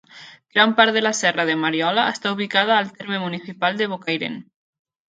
Gran part de la Serra de Mariola està ubicada al terme municipal de Bocairent.